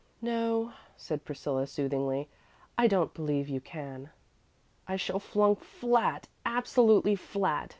"No," said Priscilla, soothingly; "I don't believe you can." "I shall flunk flat absolutely flat.